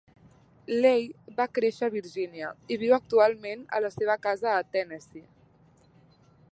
Lei va créixer a Virgínia, i viu actualment a la seva casa a Tennessi.